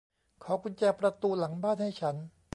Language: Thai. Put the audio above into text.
ขอกุญแจประตูหลังบ้านให้ฉัน